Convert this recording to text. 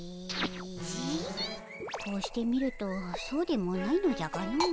こうして見るとそうでもないのじゃがのう。